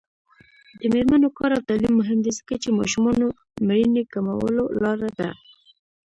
د میرمنو کار او تعلیم مهم دی ځکه چې ماشومانو مړینې کمولو لاره ده.